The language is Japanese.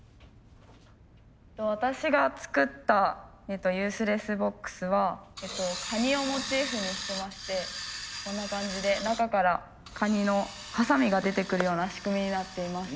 私が作ったユースレスボックスはカニをモチーフにしてましてこんな感じで中からカニのはさみが出てくるような仕組みになっています。